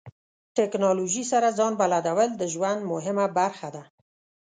ټکنالوژي سره ځان بلدول د ژوند مهمه برخه ده.